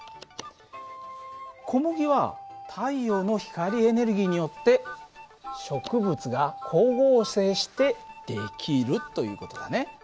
小麦は太陽の光エネルギーによって植物が光合成して出来るという事だね。